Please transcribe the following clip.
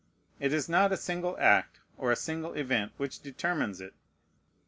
It is not a single act or a single event which determines it.